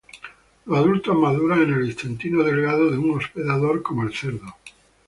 Los adultos maduran en el intestino delgado de un hospedador como el cerdo.